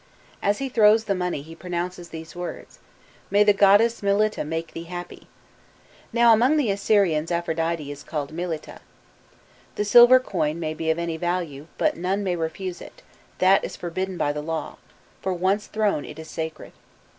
As he throws the money he pronounces these words: 'May the goddess Mylitta make thee happy! ' Now, among the Assyrians, Aphrodite is called Mylitta. The silver coin may be of any value, but none may refuse it, that is forbidden by the law, for, once thrown, it is sacred.